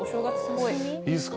いいっすか？